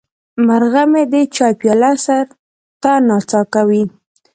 مرغه مې د چای پیاله سر ته نڅا کوي.